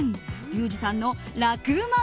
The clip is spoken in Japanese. リュウジさんの楽ウマ！